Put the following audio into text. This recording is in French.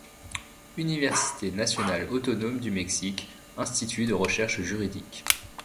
Université Nationale Autonome du Mexique, Institut de Recherches Juridiques.